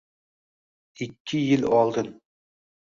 ikki yil oldin